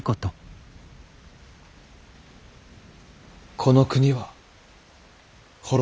この国は滅ぶ。